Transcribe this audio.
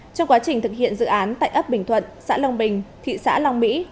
trong quá trình thực hiện dự án tại ấp bình thuận xã long bình thị xã long mỹ